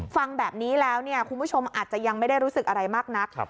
ฟังแบบนี้แล้วเนี่ยคุณผู้ชมอาจจะยังไม่ได้รู้สึกอะไรมากนัก